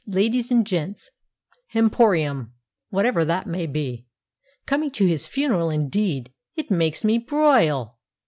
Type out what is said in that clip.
Ladies and Gents' Hemporium'—whatever that may be! Coming to his funeral, indeed! It makes me broil!"